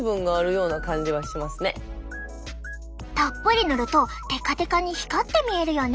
たっぷり塗るとテカテカに光って見えるよね！